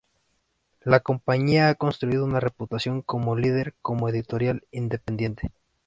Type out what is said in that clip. La compañía ha construido una reputación como líder como editorial independiente.